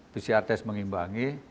pcr test mengimbangi